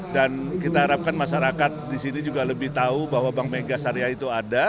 dan kita harapkan masyarakat di sini juga lebih tahu bahwa bank mega syariah itu ada